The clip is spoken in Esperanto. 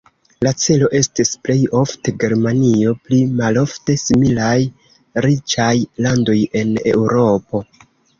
La celo estis plej ofte Germanio, pli malofte similaj riĉaj landoj en Eŭropo.